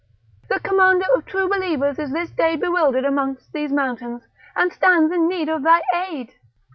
The Commander of true believers is this day bewildered amongst these mountains, and stands in need of thy aid.